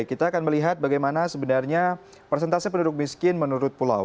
kita akan melihat bagaimana sebenarnya persentase penduduk miskin menurut pulau